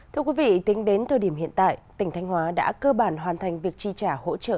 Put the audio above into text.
thưa quý vị tính đến thời điểm hiện tại tỉnh thanh hóa đã cơ bản hoàn thành việc chi trả hỗ trợ